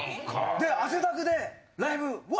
で汗だくでライブうわ！